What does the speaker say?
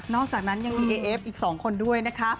จากนั้นยังมีเอเอฟอีก๒คนด้วยนะคะ